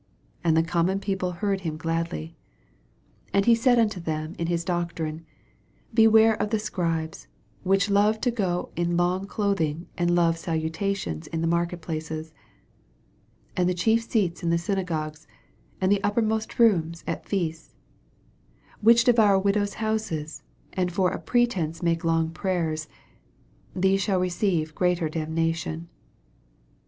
And the common people heard him gladly. S8 And he said unto them in his doctrine, Beware of the Scribes, which love to so in long clothing, and love salutations in *he marketplaces, 39 And the 3hief seats in the syn agogues, and the uppermost rooms at feasts: 40 Which devour widows' houses, and for a pif* ence make long prayers : these shall receive greater damnation.